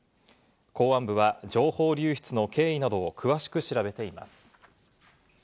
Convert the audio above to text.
公安部は情報流出の経緯などを詳しく調べています。